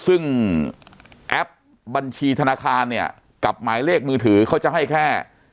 ซึ่งแอปบัญชีธนาคารเนี่ยกับหมายเลขมือถือเขาจะให้แค่